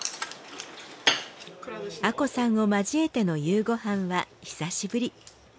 亜子さんを交えての夕ご飯は久しぶり。